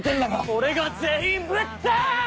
「俺が全員ぶっ倒す！」